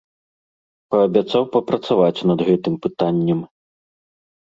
Паабяцаў папрацаваць над гэтым пытаннем.